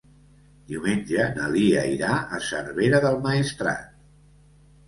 Diumenge na Lia irà a Cervera del Maestrat.